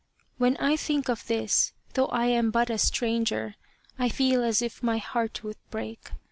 ' When I think of this, though I am but a stranger, I feel as if my heart would break.